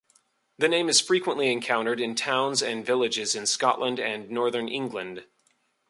The name is frequently encountered in towns and villages in Scotland and Northern England.